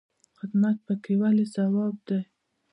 خدمت پکې ولې ثواب دی؟